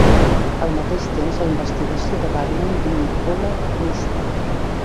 Al mateix temps, la investigació de Batman vincula Mr.